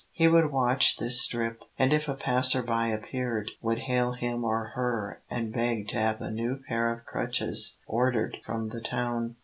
He would watch this strip, and if a passer by appeared, would hail him or her, and beg to have a new pair of crutches ordered from the town.